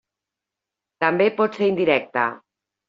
També pot ser indirecta.